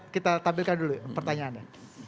kita tampilkan dulu pertanyaannya